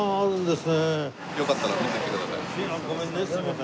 すいません。